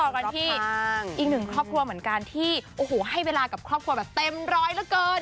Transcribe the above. กันที่อีกหนึ่งครอบครัวเหมือนกันที่โอ้โหให้เวลากับครอบครัวแบบเต็มร้อยเหลือเกิน